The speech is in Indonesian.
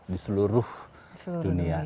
di seluruh dunia